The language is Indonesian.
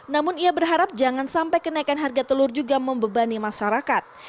namun ia berharap jangan sampai kenaikan harga telur juga membebani masyarakat